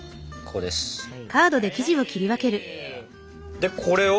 でこれを？